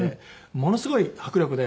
ものすごい迫力で。